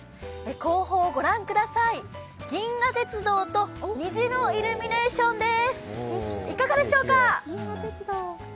後方を御覧ください、銀河鉄道と虹のイルミネーションです。